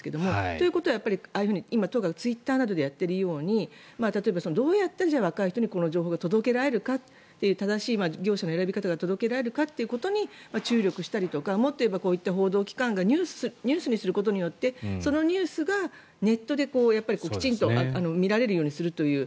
ということは今、都がツイッターなどでやっているように例えば、どうやって若い人にこの情報が届けられるか正しい業者の選び方が届けられるかというところに注力したりとかもっと言えばこういった報道機関がニュースにすることによってそのニュースがネットできちんと見られるようにするという。